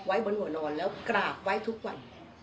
ไว้บนหัวนอนแล้วกราบไว้ทุกวัน